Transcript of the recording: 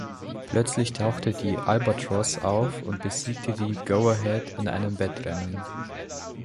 Plötzlich taucht die "Albatros" auf und besiegt die "Go ahead" in einem Wettrennen.